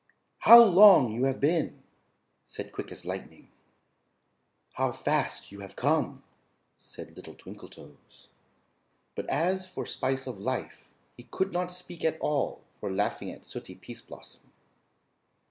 "How long you have been!" said Quick As Lightning. "How fast you have come!" said little Twinkle Toes. But as for Spice of Life he could not speak at all for laughing at sooty Pease Blossom.